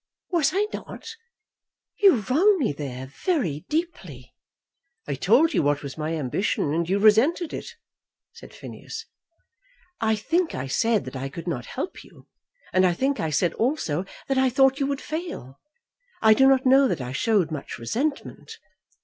"Was I not? You wrong me there; very deeply." "I told you what was my ambition, and you resented it," said Phineas. "I think I said that I could not help you, and I think I said also that I thought you would fail. I do not know that I showed much resentment.